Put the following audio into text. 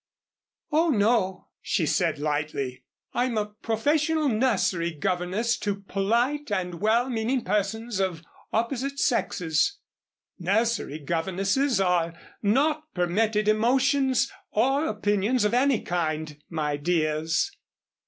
"Oh, no," she said lightly, "I'm a professional nursery governess to polite and well meaning persons of opposite sexes. Nursery governesses are not permitted emotions or opinions of any kind, my dears."